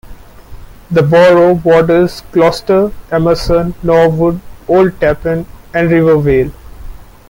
The borough borders Closter, Emerson, Norwood, Old Tappan and River Vale.